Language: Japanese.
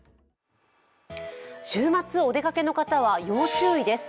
週末お出かけの方は要注意です。